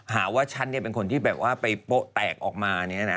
หาว่าฉันเป็นคนที่แบบว่าไปโป๊ะแตกออกมาเนี่ยนะ